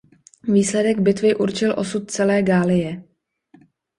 Výsledek bitvy určil osud celé Galie.